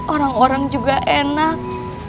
orang orang juga enak